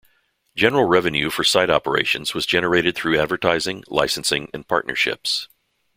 General revenue for site operations was generated through advertising, licensing and partnerships.